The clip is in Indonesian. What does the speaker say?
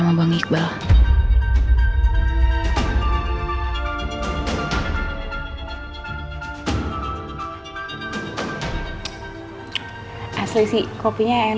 asli sih kopinya enak padahal aku baru nemu loh coffee shopnya enak gak bang